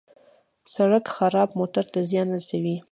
سړک خراب موټر ته زیان رسوي.